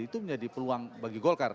itu menjadi peluang bagi golkar